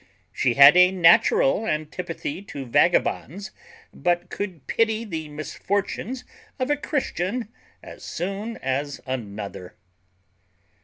She had a natural antipathy to vagabonds; but could pity the misfortunes of a Christian as soon as another."